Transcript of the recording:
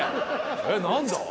えっ何だ？